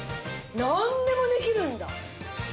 なんでもできるんだ！